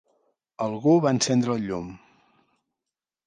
Algú va encendre el llum.